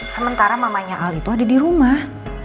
sementara mamanya al itu ada di rumah